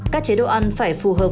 các chế độ ăn phải phù hợp